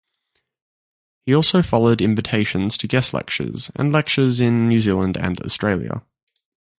He also followed invitations to guest lectures and lectures in New Zealand and Australia.